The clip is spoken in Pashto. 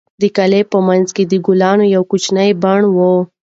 د کلا په منځ کې د ګلانو یو کوچنی بڼ و.